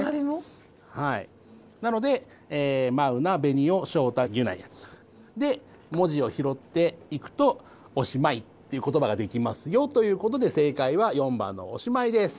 なので「マウナ」「ベニオ」「ショウタ」「ギュナイ」。で文字をひろっていくと「オシマイ」ということばができますよということで正解は４番の「おしまい」です。